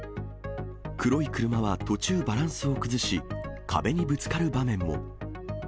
黒い車は途中、バランスを崩し、壁にぶつかる場面も。